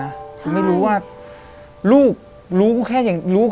แต่ขอให้เรียนจบปริญญาตรีก่อน